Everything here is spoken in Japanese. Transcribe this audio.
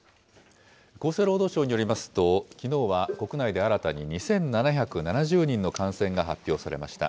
厚生労働省によりますと、きのうは国内で新たに２７７０人の感染が発表されました。